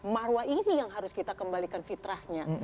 marwah ini yang harus kita kembalikan fitrahnya